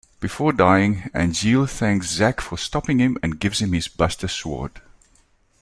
Before dying, Angeal thanks Zack for stopping him and gives him his Buster Sword.